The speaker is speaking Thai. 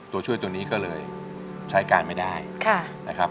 ตัวช่วยตัวนี้ก็เลยใช้การไม่ได้นะครับ